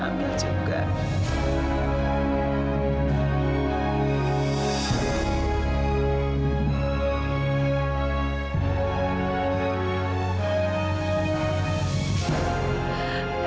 kalau ginjal camilla harus diambil